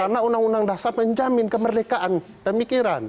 karena undang undang dasar menjamin kemerdekaan pemikiran